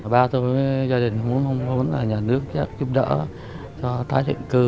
ba tôi với gia đình muốn là nhà nước chắc giúp đỡ cho tái định cư